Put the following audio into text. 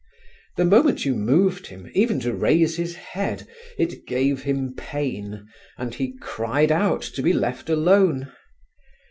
The moment you moved him, even to raise his head, it gave him pain and he cried out to be left alone.